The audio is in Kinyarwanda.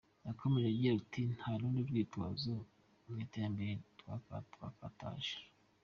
Yakomeje agira ati "Nta rundi rwitwazo mu iterambere twakataje.